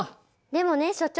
でもね所長。